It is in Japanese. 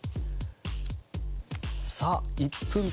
さあ１分間。